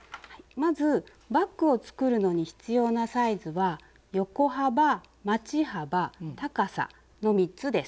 まずバッグを作るのに必要なサイズは横幅まち幅高さの３つです。